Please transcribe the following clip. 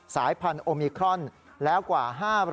สายพันโอมิครอนแล้วกว่า